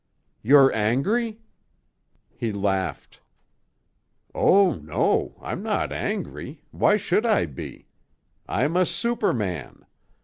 "You're angry?" He laughed. "Oh, no. I'm not angry; why should I be? I'm a superman.